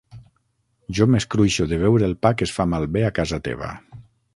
Jo m'escruixo de veure el pa que es fa malbé a casa teva.